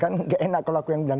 kan enak kalau aku yang bilang